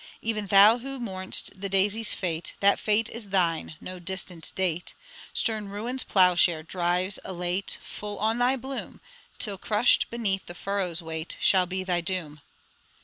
'Even thou who mournst the Daisy's fate, That fate is thine no distant date; Stern Ruin's ploughshare drives, elate, Full on thy bloom, Till, crushed beneath the furrow's weight, Shall be thy doom!'"